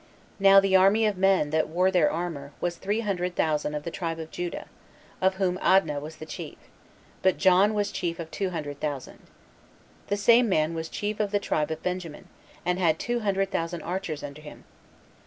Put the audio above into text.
Now the army of men that wore their armor, was three hundred thousand of the tribe of Judah, of whom Adnah was the chief; but John was chief of two hundred thousand. The same man was chief of the tribe of Benjamin, and had two hundred thousand archers under him.